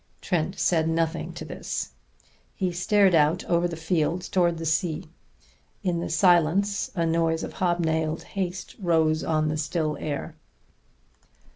Trent said nothing to this. He stared out over the fields towards the sea. In the silence a noise of hobnailed haste rose on the still air.